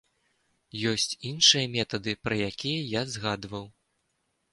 Ёсць іншыя метады, пра якія я згадаў.